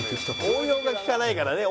応用が利かないからね